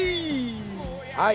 はい。